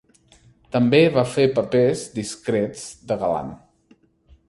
També va fer papers discrets de galant.